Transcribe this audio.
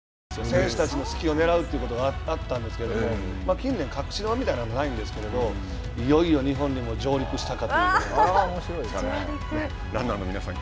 選手たちの隙を狙うということがあったんですけども近年、隠し球みたいなのはないんですけれどもいよいよ日本にも上陸したかといランナーの皆さん